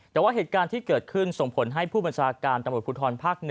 แต่ว่าเหตุการณ์ที่เกิดขึ้นส่งผลให้ผู้บัญชาการตำรวจภูทรภาค๑